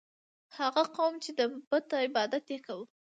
هغه قوم چې د بت عبادت یې کاوه.